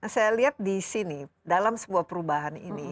saya lihat disini dalam sebuah perubahan ini